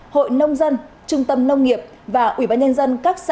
hội nông dân trung tâm nông nghiệp và ủy ban nhân dân các xã